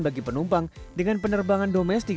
bagi penumpang dengan penerbangan domestik